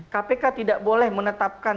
kpk tidak boleh menetapkan